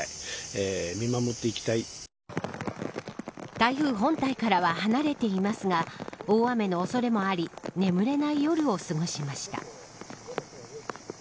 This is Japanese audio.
台風本体からは離れていますが大雨の恐れもあり眠れない夜を過ごしました。